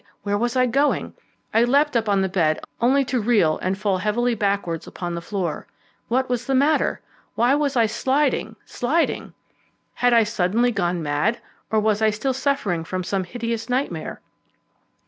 Where was I going? I leapt up on the bed, only to reel and fall heavily backwards upon the floor. What was the matter? Why was I sliding, sliding? Had I suddenly gone mad, or was I still suffering from some hideous nightmare?